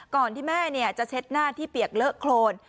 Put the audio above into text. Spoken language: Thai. ก่อนที่แม่จะเช็ดหน้าที่เปียกเลอะโครน